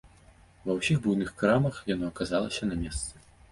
Ва ўсіх буйных крамах яно аказалася на месцы.